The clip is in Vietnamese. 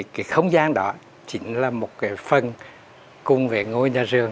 cái không gian đó chỉ là một cái phần cung về ngôi nhà rường